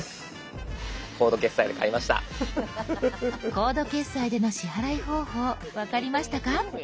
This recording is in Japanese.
コード決済での支払い方法分かりましたか？